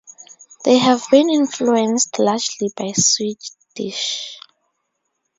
They have been influenced largely by Swedish.